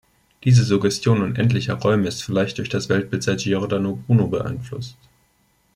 Diese Suggestion unendlicher Räume ist vielleicht durch das Weltbild seit Giordano Bruno beeinflusst.